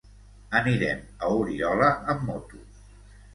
Anirem a Oriola amb moto.